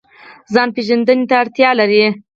ځان پیژندنې ته اړتیا لري